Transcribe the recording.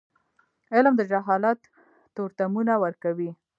علم د جهالت تورتمونه ورکوي.